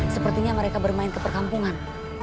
sepertinya mereka bermain ke perkampungan